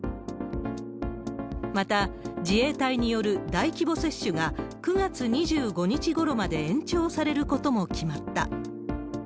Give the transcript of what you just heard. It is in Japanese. また、自衛隊による大規模接種が９月２５日ごろまで延長されることも決まった。